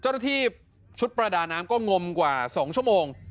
เจ้าระดิบชุดปรดาน้ำก็งมกว่า๒ชั่วโมง